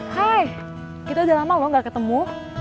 hai kita udah lama loh gak ketemu